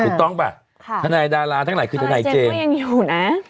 ถูกต้องปะธนายดาราทั้งหลายคือธนายเจมส์